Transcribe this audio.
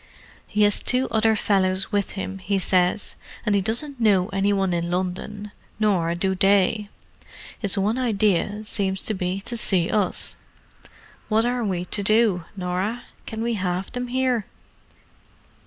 "He has two other fellows with him, he says; and he doesn't know any one in London, nor do they. His one idea seems to be to see us. What are we to do, Norah? Can we have them here?"